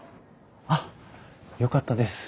あっよかったです。